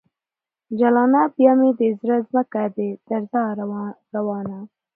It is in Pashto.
جلانه ! بیا مې د زړه ځمکه کې درزا روانه